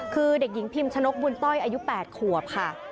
คือเด็กหญิงพิมชนกบุญต้อยอายุ๘ขวบค่ะ